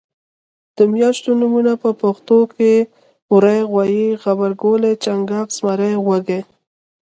د میاشتو نومونه په پښتو کې وری غویي غبرګولی چنګاښ زمری وږی